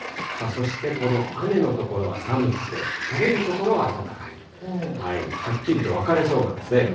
そしてこの雨の所は寒くて、晴れる所は暖かいと。はっきりと分かれそうなんですね。